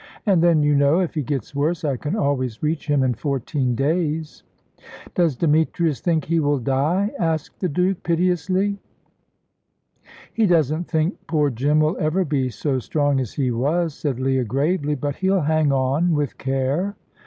And then, you know, if he gets worse, I can always reach him in fourteen days." "Does Demetrius think he will die?" asked the Duke, piteously. "He doesn't think poor Jim will ever be so strong as he was," said Leah, gravely; "but he'll hang on, with care."